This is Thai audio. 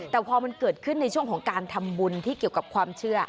แต่พอมันเกิดขึ้นในช่วงของการทำบุญที่เกี่ยวกับความเชื่อ